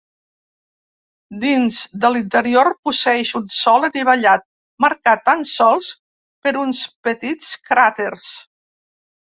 Dins de l'interior posseeix un sòl anivellat, marcat tan sols per uns petits cràters.